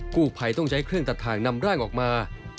กู้ภัยต้องใช้เครื่องตัดทางนำร่างออกมา